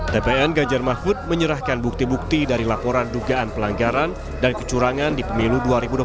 tpn ganjar mahfud menyerahkan bukti bukti dari laporan dugaan pelanggaran dan kecurangan di pemilu dua ribu dua puluh empat